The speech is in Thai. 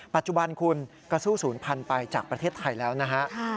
ปัจจุบันคุณก็สู้ศูนย์พันธุ์ไปจากประเทศไทยแล้วนะฮะ